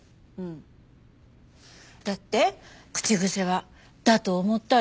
だって口癖は「だと思った」だし